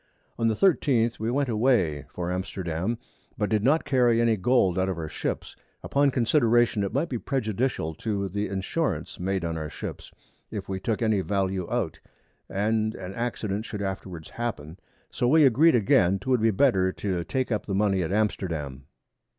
On the 13th we went away for Amsterdam, but did not carry any Gold out of our Ships, upon Consideration it might be prejudicial to the Insurance made on our Ships, if we took any Value out, and an Accident should afterwards happen, so we agreed again, 'twould be better to take up the Money at Amsterdam.